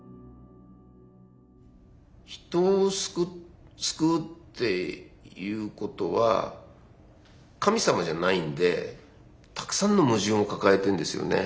人を救うっていうことは神様じゃないんでたくさんの矛盾を抱えてんですよね。